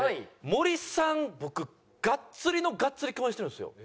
森さん僕がっつりのがっつり共演してるんですよ。